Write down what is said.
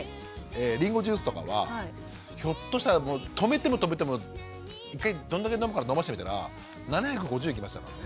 りんごジュースとかはひょっとしたら止めても止めても一回どんだけ飲むか飲ましてみたら７５０いきましたからね。